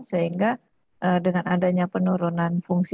sehingga dengan adanya penurunan fungsi